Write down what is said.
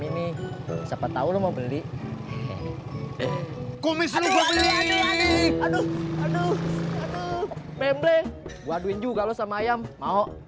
ini siapa tahu mau beli komis aduh aduh aduh aduh aduh membleng waduhin juga lo sama ayam mau